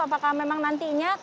apakah memang nantinya